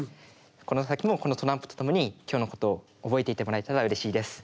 この先もこのトランプと共に今日のことを覚えていてもらえたらうれしいです。